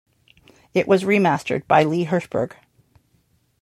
It was remastered by Lee Herschberg.